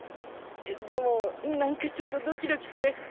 でもなんかちょっとドキドキする。